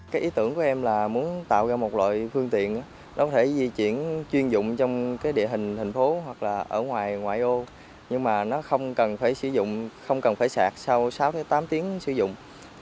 cái ý tưởng của em là muốn tạo ra một loại phương tiện nó có thể di chuyển chuyên dụng trong cái địa hình thành phố hoặc là ở ngoài ngoại ô nhưng mà nó không cần phải sử dụng không cần phải sạc sau sáu tám tiếng sử dụng